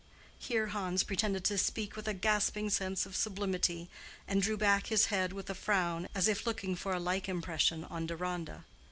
Here Hans pretended to speak with a gasping sense of sublimity, and drew back his head with a frown, as if looking for a like impression on Deronda.